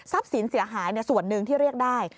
สินเสียหายส่วนหนึ่งที่เรียกได้